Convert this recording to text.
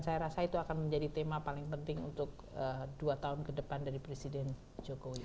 saya rasa itu akan menjadi tema paling penting untuk dua tahun ke depan dari presiden jokowi